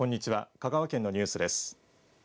香川県のニュースです。